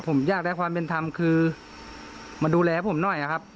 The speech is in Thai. ผมอยากได้ความเม็ดทำคือมาดูแลผมหน่อยอ่ะครับ